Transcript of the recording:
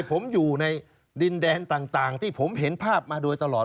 ผมอยู่ในดินแดนต่างที่ผมเห็นภาพมาโดยตลอด